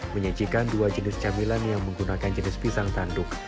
menyajikan dua jenis camilan yang menggunakan jenis pisang tanduk